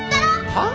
はっ？